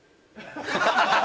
ハハハハハ！